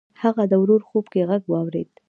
هغه د ورور خوب کې غږ واورېد.